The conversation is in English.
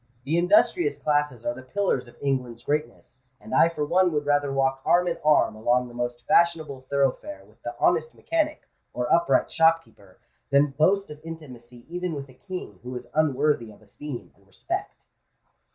The industrious classes are the pillars of England's greatness; and I for one would rather walk arm in arm along the most fashionable thoroughfare with the honest mechanic or upright shopkeeper, than boast of intimacy even with a King who is unworthy of esteem and respect."